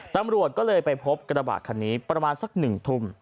ตำรวจก็เลยไปพบกระบาดคันนี้ประมาณสัก๑ทุ่ม